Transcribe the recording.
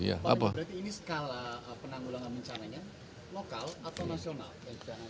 penanggulangan bencananya lokal atau nasional